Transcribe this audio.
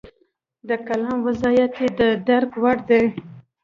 د کلام وضاحت یې د درک وړ دی.